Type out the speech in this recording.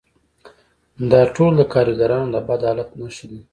دا ټول د کارګرانو د بد حالت نښې دي